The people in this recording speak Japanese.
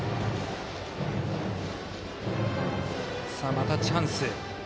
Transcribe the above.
またチャンス。